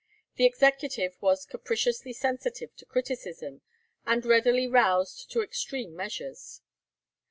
The executive was capriciously sensitive to criticism, and readily roused to extreme measures.